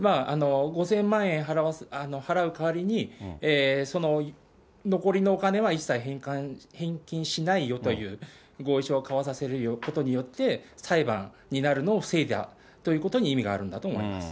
５０００万円払う代わりに、その残りのお金は一切返金しないよという合意書を交わさせることによって、裁判になるのを防いだということに意味があるんだと思います。